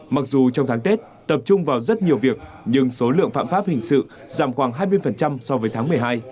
mặc dù trong tháng tết tập trung vào rất nhiều việc nhưng số lượng phạm pháp hình sự giảm khoảng hai mươi so với tháng một mươi hai